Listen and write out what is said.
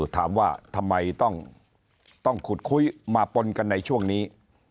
ถามว่าทำไมต้องขุดคุยมาปนกันในช่วงนี้